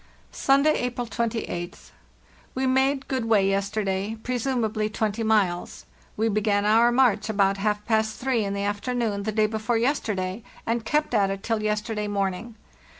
"Sunday, April 28th. We made good way yester day, presumably 20 miles. We began our march about half past three in the afternoon the day before yesterday, and kept at it till yesterday morning.